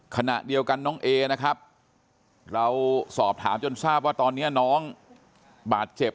ขณะเดียวกันน้องเอนะครับเราสอบถามจนทราบว่าตอนนี้น้องบาดเจ็บ